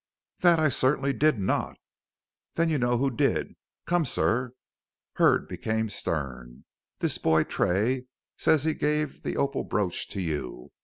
"That I certainly did not." "Then you know who did. Come, sir," Hurd became stern; "this boy Tray says he gave the opal brooch to you.